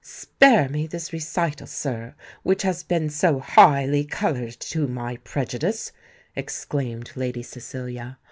"Spare me this recital, sir, which has been so highly coloured to my prejudice," exclaimed Lady Cecilia.